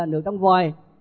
nước trong vòi